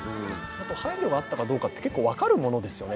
配慮があったかどうかって、結構分かるものですよね。